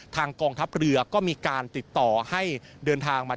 กองทัพเรือก็มีการติดต่อให้เดินทางมา